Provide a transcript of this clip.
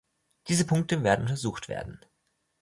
Diese Punkte werden untersucht werden.